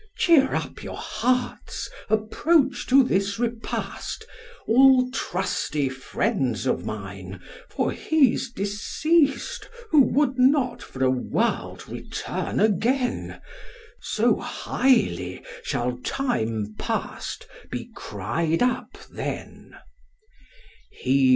Cheer up your hearts, approach to this repast, All trusty friends of mine; for he's deceased, Who would not for a world return again, So highly shall time past be cried up then.